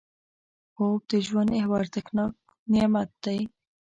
خوب د ژوند یو ارزښتناک نعمت دی